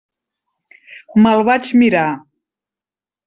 Me'l vaig mirar.